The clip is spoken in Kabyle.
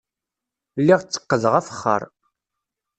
Lliɣ tteqqdeɣ afexxar.